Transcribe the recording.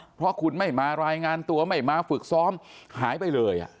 เพราะคุณไม่มารายงานตัวไม่มาฝึกซ้อมหายไปเลย